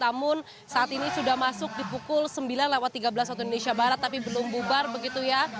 namun saat ini sudah masuk di pukul sembilan tiga belas waktu indonesia barat tapi belum bubar begitu ya